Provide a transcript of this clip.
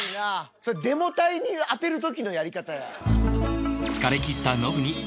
それデモ隊に当てる時のやり方や。